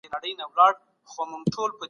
قناعت کول لویه پاچاهي ده.